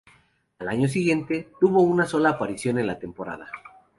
Al año siguiente, tuvo una sola aparición en la temporada.